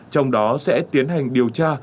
trong đó sẽ tiến hành điều tra